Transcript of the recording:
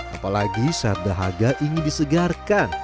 apalagi saat dahaga ingin disegarkan